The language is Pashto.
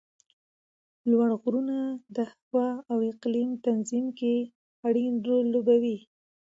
لوړ غرونه د هوا او اقلیم تنظیم کې اړین رول لوبوي